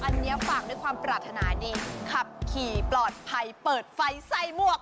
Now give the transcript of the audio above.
อันนี้ฝากด้วยความปรารถนาดีขับขี่ปลอดภัยเปิดไฟใส่หมวก